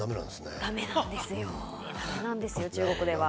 ダメなんですよ、中国では。